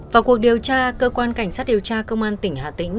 vào cuộc điều tra cơ quan cảnh sát điều tra công an tỉnh hà tĩnh